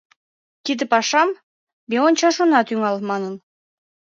«Тиде пашам ме ончаш она тӱҥал, — манын.